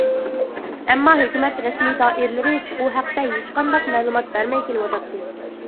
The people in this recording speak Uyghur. ئەمما ھۆكۈمەت رەسمىي دائىرىلىرى بۇ ھەقتە ھېچقانداق مەلۇمات بەرمەي كېلىۋاتاتتى.